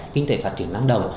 kinh tế phát triển năng đồng